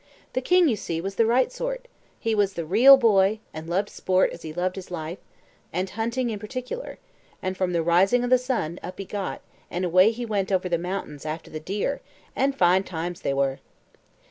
The king, you see, was the right sort; he was the real boy, and loved sport as he loved his life, and hunting in particular; and from the rising o' the sun, up he got, and away he went over the mountains after the deer; and fine times they were.